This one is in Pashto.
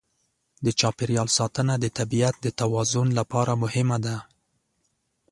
د چاپېریال ساتنه د طبیعت د توازن لپاره مهمه ده.